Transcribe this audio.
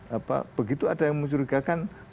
dan itu ada yang mencurigakan